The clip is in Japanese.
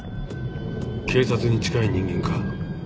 警察に近い人間か？